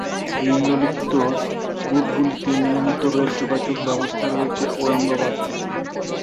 নিম্নলিখিত রুট গুলিতে নিয়মিত রেল যোগাযোগ ব্যবস্থা রয়েছে ঔরঙ্গাবাদ থেকে।